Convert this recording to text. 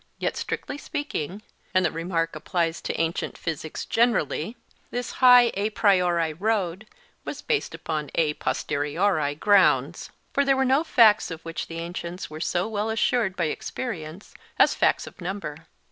Yet, strictly speaking—and the remark applies to ancient physics generally—this high a priori road was based upon a posteriori grounds. For there were no facts of which the ancients were so well assured by experience as facts of number.